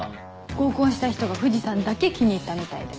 合コンした人が藤さんだけ気に入ったみたいで。